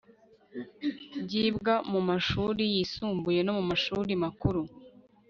byibwa mu mashuri yisumbuye no mu mashuri makuru